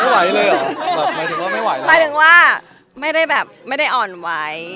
หมายถึงว่าไม่ได้อ่อนไหว